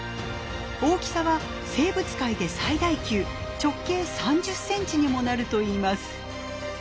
大きさは生物界で最大級直径３０センチにもなるといいます。